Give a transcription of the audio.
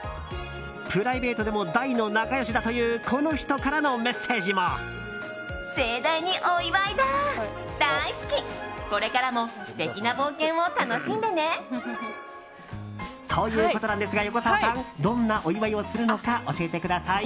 プライベートでも大の仲良しだというこの人からのメッセージも。ということなんですが横澤さんどんなお祝いをするのか教えてください。